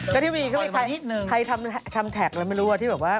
ก็ที่มีมีใครทำแท็กแล้วไม่รู้ว่าที่บอกว่า